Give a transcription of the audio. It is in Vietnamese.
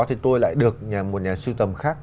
thì tôi lại được một nhà sưu tầm khác